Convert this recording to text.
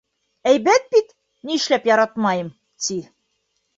— Әйбәт бит, ни эшләп яратмайым, — ти.